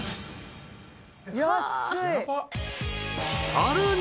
［さらに］